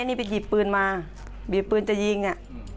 ไอ้หนี้ไปหยิบปืนมาหยิบปืนจะยิงอ่ะ